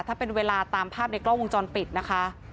ถ้าเป็นเวลาตามภาพในกล้องวงจรปิดนะคะ